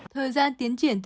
thời gian tiến triển từ